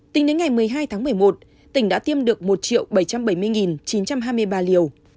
tính đến ngày một mươi hai tháng một mươi một tỉnh đã tiêm được một bảy trăm bảy mươi chín trăm hai mươi ba liều